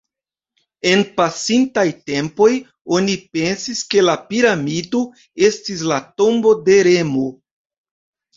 En pasintaj tempoj oni pensis ke la piramido estis la tombo de Remo.